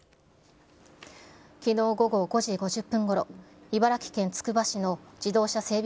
きのう午後５時５０分ごろ、茨城県つくば市の自動車整備